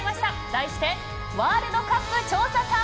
題してワールドカップ調査隊！